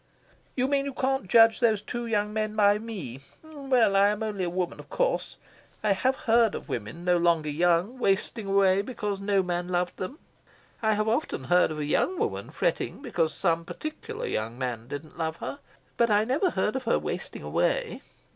"You mean you can't judge those two young men by me? Well, I am only a woman, of course. I have heard of women, no longer young, wasting away because no man loved them. I have often heard of a young woman fretting because some particular young man didn't love her. But I never heard of her wasting away.